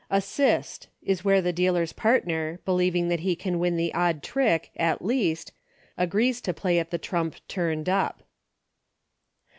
Assist. Is where the dealer's partner, be lieving that he can win the odd trick, at least, agrees to play at the trump turned up.